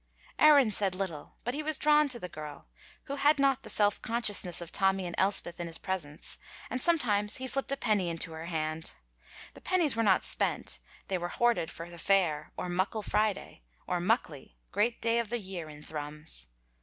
Aaron said little, but he was drawn to the girl, who had not the self consciousness of Tommy and Elspeth in his presence, and sometimes he slipped a penny into her hand. The pennies were not spent, they were hoarded for the fair, or Muckle Friday, or Muckley, great day of the year in Thrums.